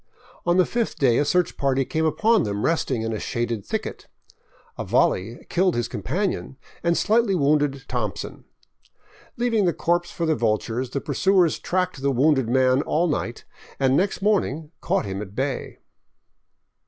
On the fifth day a search party came upon them resting in a shaded thicket. A volley killed his companion and slightly wounded " Thompson." Leaving the corpse for the vultures, the pursuers tracked the wounded man all night and next morning caught him at bay.